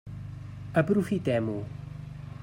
Aprofitem-ho.